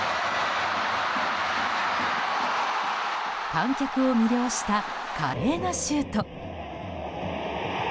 観客を魅了した華麗なシュート。